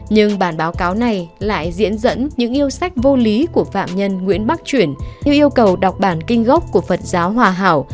nhưng bản báo cáo này lại diễn dẫn những yêu sách vô lý của phạm nhân nguyễn bắc chuyển như yêu cầu đọc bản kinh gốc của phật giáo hòa hảo